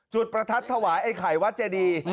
จุดประทัดฐวะไอ้ไขยวัดเจดี